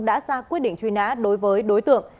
đã ra quyết định truy nã đối với đối tượng